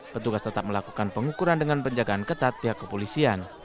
petugas tetap melakukan pengukuran dengan penjagaan ketat pihak kepolisian